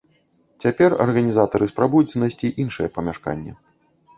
Цяпер арганізатары спрабуюць знайсці іншае памяшканне.